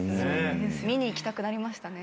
見に行きたくなりましたね。